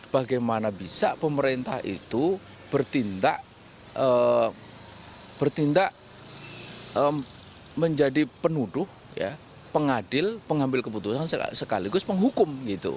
bagaimana bisa pemerintah itu bertindak bertindak menjadi penuduh pengadil pengambil keputusan sekaligus menghukum